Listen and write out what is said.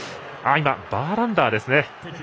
今、バーランダーですね。